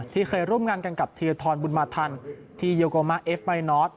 ที่เคยร่วมงานกันกับเทียร์ทอนบุญมาทันที่ยูโกมาเอฟมายนอร์ด